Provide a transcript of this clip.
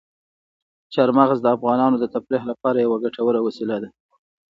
چار مغز د افغانانو د تفریح لپاره یوه ګټوره وسیله ده.